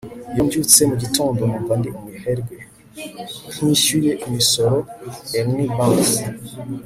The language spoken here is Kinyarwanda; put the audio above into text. iyo mbyutse mu gitondo, numva ndi umuherwe ntishyuye imisoro. - ernie banks